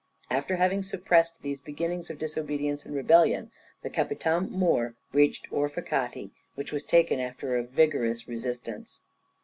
After having suppressed these beginnings of disobedience and rebellion, the Capitam mõr reached Orfacati, which was taken after a vigorous resistance.